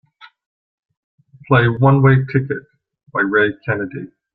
Play One Way Ticket by Ray Kennedy.